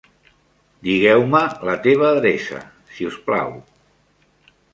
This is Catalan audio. Digueu-me la teva adreça, si us plau.